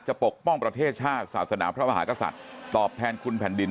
ปกป้องประเทศชาติศาสนาพระมหากษัตริย์ตอบแทนคุณแผ่นดิน